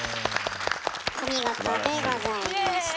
お見事でございました。